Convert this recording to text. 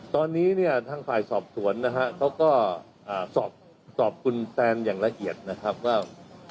ตอนนี้เนี่ยทางฝ่ายสอบสวนนะฮะเขาก็สอบคุณแซนอย่างละเอียดนะครับว่า